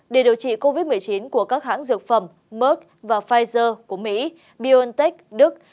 để điều trị covid một mươi chín của các hãng dược phẩm merk và pfizer của mỹ biontech đức